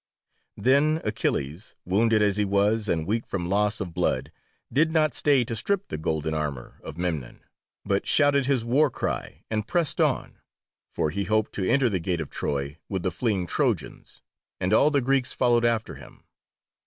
Then Achilles, wounded as he was and weak from loss of blood, did not stay to strip the golden armour of Memnon, but shouted his warcry, and pressed on, for he hoped to enter the gate of Troy with the fleeing Trojans, and all the Greeks followed after him.